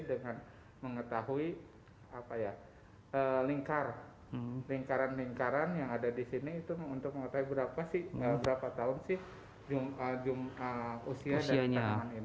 dengan mengetahui lingkaran lingkaran yang ada di sini itu untuk mengetahui berapa tahun sih usianya